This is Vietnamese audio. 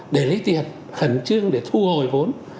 để lấy tiền khẩn trương để thu hồi vốn